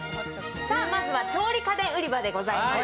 まずは調理家電売り場でございます。